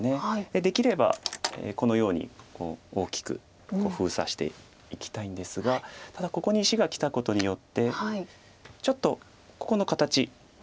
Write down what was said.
できればこのように大きく封鎖していきたいんですがただここに石がきたことによってちょっとここの形。